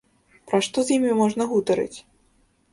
Пра што з імі можна гутарыць?